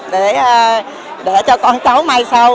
để cho con cháu mai sau